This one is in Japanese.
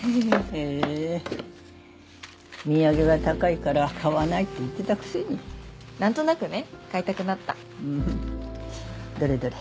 へえー土産は高いから買わないって言ってたくせになんとなくね買いたくなったうんどれどれ？